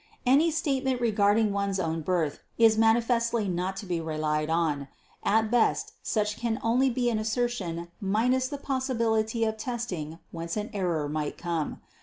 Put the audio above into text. Any statement regarding one's own birth is manifestly not to be relied on. At best such can only be an assertion minus the possibility of testing whence an error might come.